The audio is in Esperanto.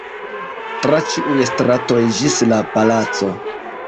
tra ĉiuj stratoj ĝis la palaco.